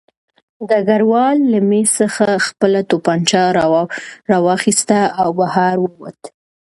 ډګروال له مېز څخه خپله توپانچه راواخیسته او بهر ووت